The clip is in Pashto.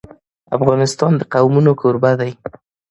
افغانستان د قومونه کوربه دی.